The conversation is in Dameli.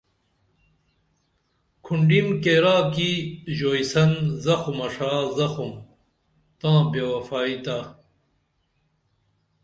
کھونڈیم کیرا کی ژویسن زخُمہ ݜا زخُم تاں بے وفائی تہ